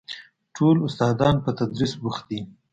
ټول استادان په تدريس بوخت دي.